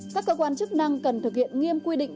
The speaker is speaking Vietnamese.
các cơ quan chức năng cần thực hiện nghiêm quy định